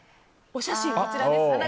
お写真、こちらですね。